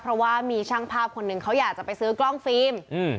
เพราะว่ามีช่างภาพคนหนึ่งเขาอยากจะไปซื้อกล้องฟิล์ม